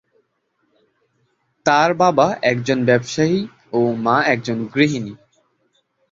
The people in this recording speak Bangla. তার বাবা একজন ব্যবসায়ী ও মা একজন গৃহিণী।